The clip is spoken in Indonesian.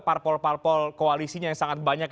parpol parpol koalisinya yang sangat banyak